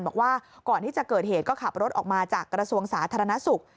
บอกว่าก่อนที่จะเกิดเหตุก็ขับรถออกมาจากกระทรวงสาธารณสุข